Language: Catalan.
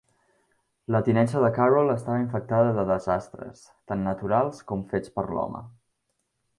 La tinença de Carroll estava infectada de desastres, tant naturals com fets per l'home.